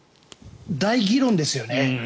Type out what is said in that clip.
大議論ですよね。